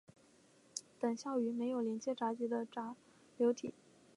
等效于没有连接闸极的闸流体。